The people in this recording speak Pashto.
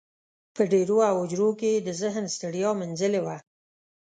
په دېرو او هوجرو کې یې د ذهن ستړیا مینځلې وه.